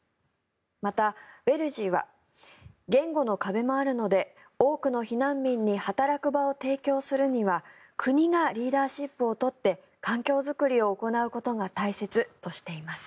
また、ＷＥＬｇｅｅは言語の壁もあるので多くの避難民に働く場を提供するには国がリーダーシップを取って環境作りを行うことが大切としています。